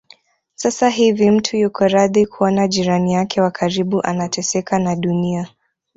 Sasa hivi mtu yuko radhi kuona jirani yake wa karibu anateseka na Dunia